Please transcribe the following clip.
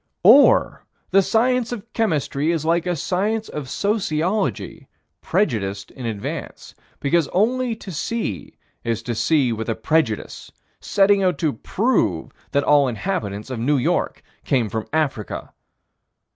Or the science of chemistry is like a science of sociology, prejudiced in advance, because only to see is to see with a prejudice, setting out to "prove" that all inhabitants of New York came from Africa.